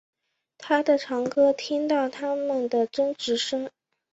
他的堂哥听到他们的争执声